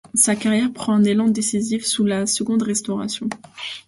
Sa carrière prend un élan décisif sous la Seconde Restauration.